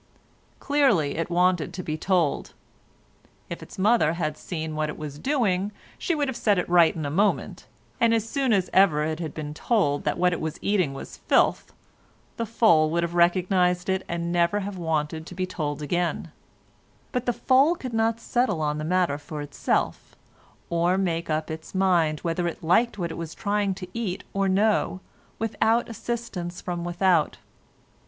Clearly it wanted to be told. If its mother had seen what it was doing she would have set it right in a moment, and as soon as ever it had been told that what it was eating was filth, the foal would have recognised it and never have wanted to be told again; but the foal could not settle the matter for itself, or make up its mind whether it liked what it was trying to eat or no, without assistance from without.